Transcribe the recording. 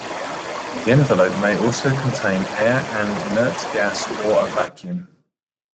The envelope may also contain air, an inert gas, or a vacuum.